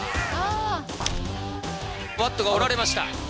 バットが折られました。